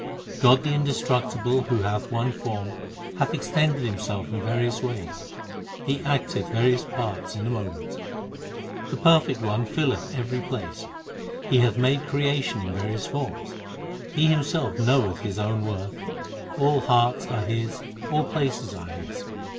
God the indestructible who hath one form, Hath extended Himself in various ways ; He acteth various parts in a moment. The Perfect One filleth every place ; He hath made creation in various forms ; He Himself knoweth His own worth ; 1 That is, no one knows God s origin. HYMNS OF GURU ARJAN 247 All hearts are His, all places are His.